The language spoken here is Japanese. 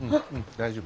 大丈夫。